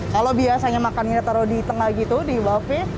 kalau biasanya makannya ditaruh di tengah gitu di buffet